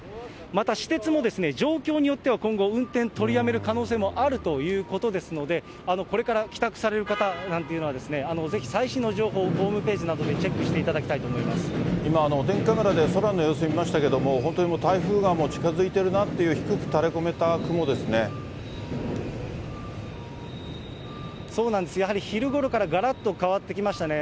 また、私鉄も状況によっては今後、運転取りやめる可能性もあるということですので、これから帰宅される方なんていうのは、ぜひ最新の情報をホームページなどでチェックしていただきたいと今、お天気カメラで空の様子を見ましたけれども、本当に台風が近づいてるなと、そうなんです、やはり昼ごろからがらっと変わってきましたね。